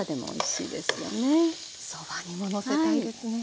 そばにものせたいですね。